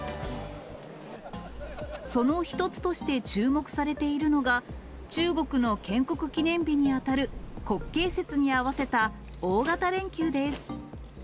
その一つとして注目されているのが、中国の建国記念日に当たる、国慶節に合わせた大型連休です。